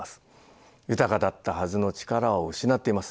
豊かだったはずの力を失っています。